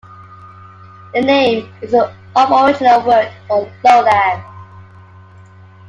The name is an aboriginal word for low land.